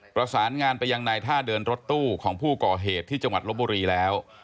ประสานงานไปยังในท่าเดินรถตู้ของผู้ก่อเหตุที่จังหวัดลบบุรีแล้ว